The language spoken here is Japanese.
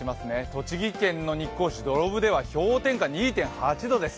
栃木県の日光市土呂部では氷点下２．８度です。